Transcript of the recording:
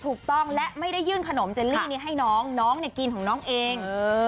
ถูกต้องและไม่ได้ยื่นขนมเจลลี่นี้ให้น้องน้องกินของน้องเอง